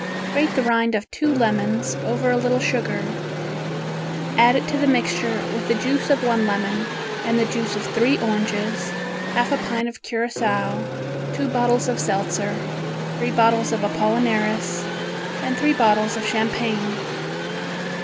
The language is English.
Grate the rind of two lemons over a little sugar. Add it to the mixture with the juice of one lemon and the juice of three oranges, half a pint of Curacao, two bottles of seltzer, three bottles of apollinaris and three bottles of champagne.